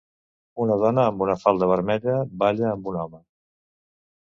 Una dona amb una falda vermella balla amb un home